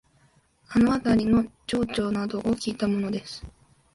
あのあたりの情緒などをきいたものです